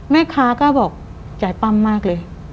แม่คาก็บอกจ่ายปั๊มมากเลย